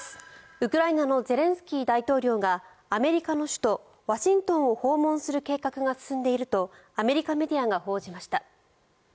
ウクライナのゼレンスキー大統領がアメリカの首都ワシントンを訪問する計画が進んでいるとアメリカメディアが報じました。